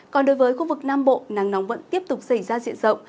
còn đối với khu vực nam bộ nắng nóng vẫn tiếp tục xảy ra diện rộng